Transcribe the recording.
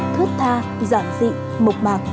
thớt tha giản dị mộc mạc